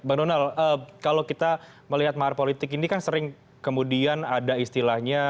bang donald kalau kita melihat mahar politik ini kan sering kemudian ada istilahnya